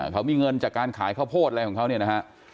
เขามีเงินจากการขายข้าวโพดอะไรของเขาเนี่ยนะฮะ